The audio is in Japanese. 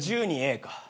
１２Ａか。